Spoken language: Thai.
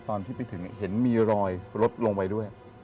ตอนที่ไปถึงเห็นมีรอยรถลงไปด้วย